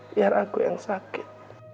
biar aku yang sakit